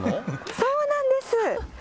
そうなんです。